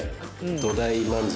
土台満足。